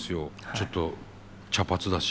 ちょっと茶髪だし。